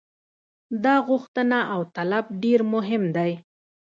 دا غوښتنه او طلب ډېر مهم دی.